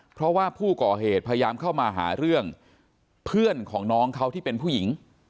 เพราะว่าผู้ก่อเหตุพยายามเข้ามาหาเรื่องเพื่อนของน้องเขาที่เป็นผู้หญิง